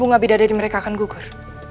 bunga bidadari mereka akan gugur